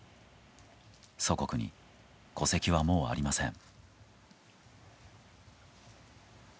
祖国に戸籍は、もうありません。